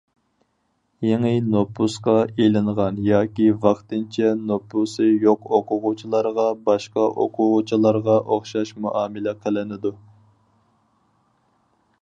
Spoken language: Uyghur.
يېڭى نوپۇسقا ئېلىنغان ياكى ۋاقتىنچە نوپۇسى يوق ئوقۇغۇچىلارغا باشقا ئوقۇغۇچىلارغا ئوخشاش مۇئامىلە قىلىنىدۇ.